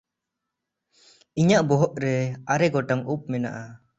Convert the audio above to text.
ᱤᱧᱟᱜ ᱵᱚᱦᱚᱜ ᱨᱮ ᱟᱨᱮ ᱜᱚᱴᱟᱝ ᱩᱵ ᱢᱮᱱᱟᱜᱼᱟ᱾